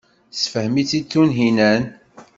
Tessefhem-itt-id Tunhinan.